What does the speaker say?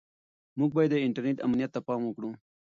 موږ باید د انټرنیټ امنیت ته پام وکړو.